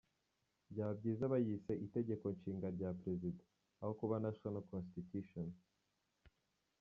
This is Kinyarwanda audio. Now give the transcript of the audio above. Byaba byiza bayise "Itegeko-nshinga rya president",aho kuba National Constitution.